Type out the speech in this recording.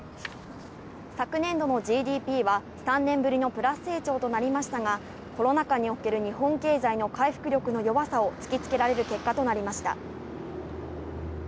昨年度のＧＤＰは３年ぶりのプラス成長となりましたが、コロナ禍における日本経済の回復力の弱さを突きつけられる結果となりました。